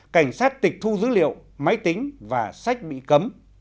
cảnh sát tịch thu dữ liệu máy tính và sách bị cấm